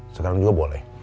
sekarang juga boleh